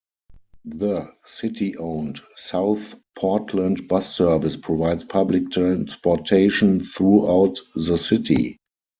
The city-owned South Portland Bus Service provides public transportation throughout the city.